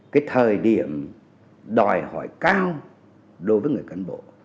cái thời điểm đòi hỏi cao đối với người cán bộ